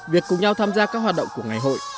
việc cùng nhau tham gia các hoạt động của ngày hội